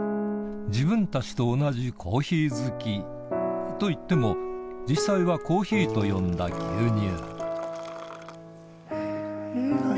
自分たちと同じコーヒー好きといっても実際はコーヒーと呼んだ牛乳うん。